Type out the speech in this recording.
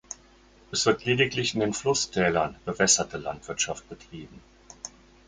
Es wird lediglich in den Flusstälern bewässerte Landwirtschaft betrieben.